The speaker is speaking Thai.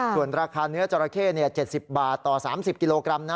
ส่วนราคาเนื้อจราเข้๗๐บาทต่อ๓๐กิโลกรัมนะ